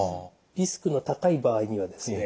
リスクの高い場合にはですね